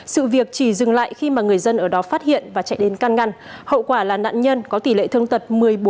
sự việc chỉ dừng lại khi mà người dân ở đó phát hiện và chạy đến can ngăn hậu quả là nạn nhân có tỷ lệ thương tật một mươi bốn